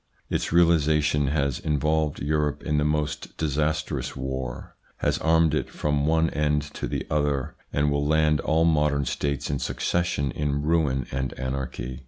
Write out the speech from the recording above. Its realisation has involved Europe in the most disastrous war, has armed it from one end to the other, and will land all modern states in succession in ruin and anarchy.